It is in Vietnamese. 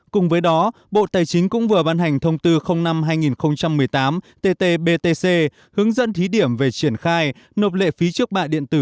cùng với đó bộ tài chính cũng vừa ban hành thông tư năm hai nghìn một mươi tám tt btc hướng dẫn thí điểm về triển khai nộp lệ phí trước bạ điện tử